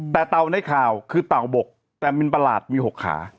แต่เต่าในข่าวคือเต่าบกแต่มินประหลาดมี๖ขา